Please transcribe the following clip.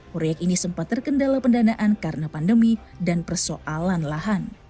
proyek ini sempat terkendala pendanaan karena pandemi dan persoalan lahan